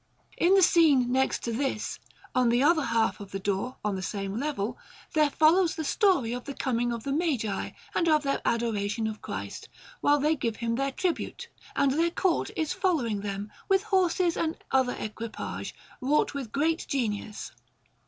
In the scene next to this, on the other half of the door, on the same level, there follows the story of the coming of the Magi, and of their adoration of Christ, while they give Him their tribute; and their Court is following them, with horses and other equipage, wrought with great genius.